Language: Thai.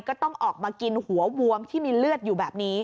ก็ต้องออกมากินหัววมที่มีเลือดอยู่แบบนี้